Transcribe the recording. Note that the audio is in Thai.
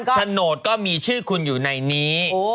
โฉนดก็มีชื่อคุณอยู่ในนี้